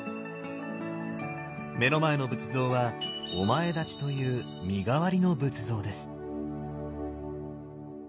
目の前の仏像は「お前立ち」という身代わりの仏像です。